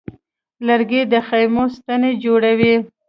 لرګی د خیمو ستنې جوړوي.